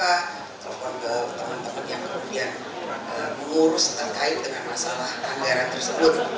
kita telepon ke teman teman yang kemudian mengurus terkait dengan masalah anggaran tersebut